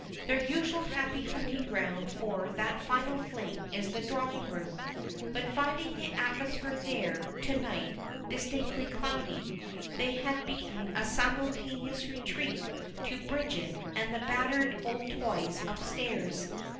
Their usual happy hunting ground for that final fling is the drawing room, but finding the atmosphere there, to night, distinctly cloudy, they had beaten a simultaneous retreat to Bridget and the battered old toys upstairs.